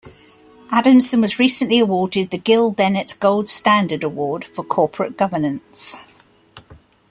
Adamson was recently awarded the "Gil Bennett Gold Standard Award" for corporate governance.